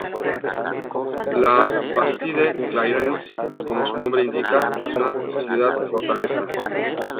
La Bastide-Clairence, como su nombre indica, es una ciudad-fortaleza.